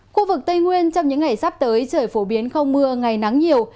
khu vực tây nguyên trong những ngày sắp tới trời phổ biến không mưa ngày nắng nhiều